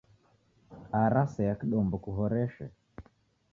Ara sea kidombo kuhoreshe